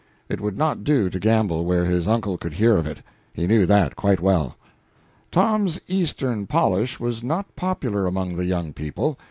It would not do to gamble where his uncle could hear of it; he knew that quite well. Tom's Eastern polish was not popular among the young people.